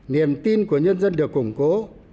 niềm tin của nhân dân được củng cố